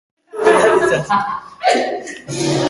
Entrenamenduari dagokionez, indarrak berreskuratzeko saioa izan da.